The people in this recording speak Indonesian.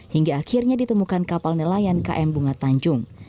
hingga akhirnya ditemukan kapal nelayan km bunga tanjung